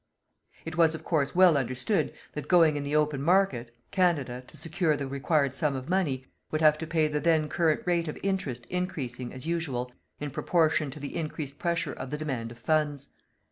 It was, of course, well understood that going in the open market, Canada, to secure the required sum of money, would have to pay the then current rate of interest increasing, as usual, in proportion to the increased pressure of the demand of funds.